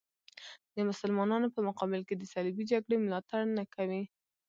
د مسلمانانو په مقابل کې د صلیبي جګړې ملاتړ نه کوي.